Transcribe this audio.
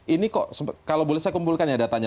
ini kok kalau boleh saya kumpulkan ya datanya